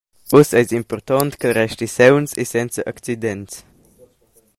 Uss eis ei impurtont ch’el resti sauns e senza accidents.